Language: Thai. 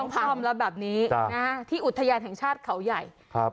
ช้างพังแล้วแบบนี้ที่อุทยานของชาติเขาใหญ่